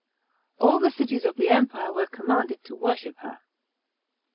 All the cities of the Empiie were commanded to worship her.